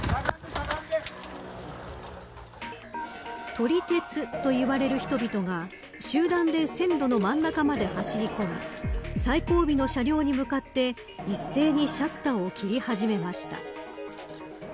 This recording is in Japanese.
撮り鉄といわれる人々が集団で線路の真ん中まで走り込み最後尾の車両に向かって一斉にシャッターを切り始めました。